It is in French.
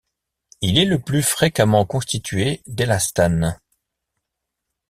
Il est le plus fréquemment constitué d’élasthanne.